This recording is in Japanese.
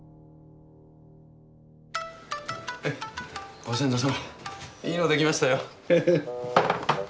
ご先祖様いいのできましたよ。